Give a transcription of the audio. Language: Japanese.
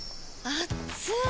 あっつい！